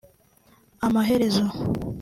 Amaherezo